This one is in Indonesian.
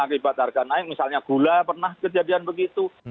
akibat harga naik misalnya gula pernah kejadian begitu